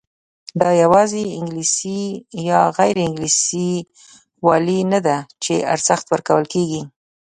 دا یوازې انګلیسي یا غیر انګلیسي والی نه دی چې ارزښت ورکول کېږي.